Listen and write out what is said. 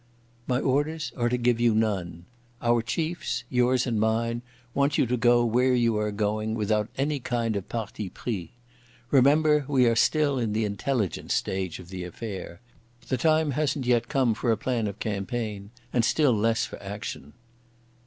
"My orders are to give you none. Our chiefs—yours and mine—want you to go where you are going without any kind of parti pris. Remember we are still in the intelligence stage of the affair. The time hasn't yet come for a plan of campaign, and still less for action."